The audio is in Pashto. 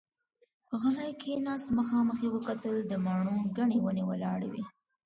غلی کېناست، مخامخ يې وکتل، د مڼو ګنې ونې ولاړې وې.